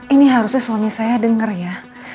ini harusnya suami saya dengar ya